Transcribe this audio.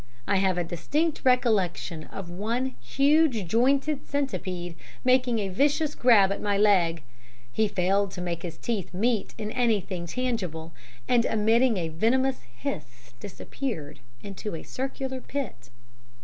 I have a distinct recollection of one huge jointed centipede making a vicious grab at my leg; he failed to make his teeth meet in anything tangible, and emitting a venomous hiss disappeared in a circular pit.